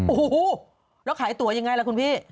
โอ้โหแล้วขายตัวยังไงล่ะคุณพี่